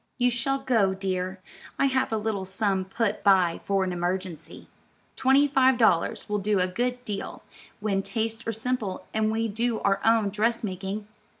"You shall go, dear; I have a little sum put by for an emergency. Twenty five dollars will do a good deal, when tastes are simple and we do our own dressmaking."